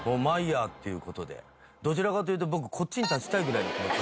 どちらかというと僕こっちに立ちたいぐらいの。